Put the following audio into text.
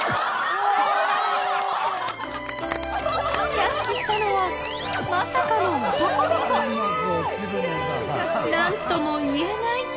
キャッチしたのはまさかの男の子何ともいえない